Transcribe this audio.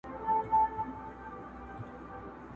له زلمیو خوښي ورکه له مستیو دي لوېدلي!